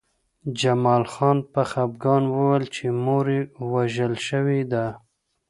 جمال خان په خپګان وویل چې مور یې وژل شوې ده